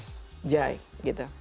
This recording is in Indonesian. mas jai gitu